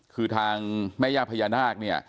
คือทางแม่ย่าพญานาค